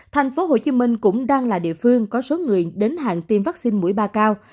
tp hcm cũng đang là địa phương có số người đến hạng tiêm vaccine mũi ba cao